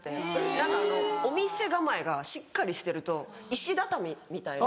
何かあのお店構えがしっかりしてると石畳みたいな。